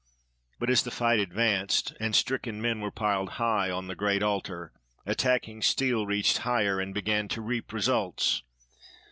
But as the fight advanced, and stricken men were piled high on the great altar, attacking steel reached higher and began to reap results.